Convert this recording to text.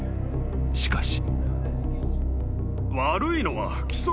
しかし］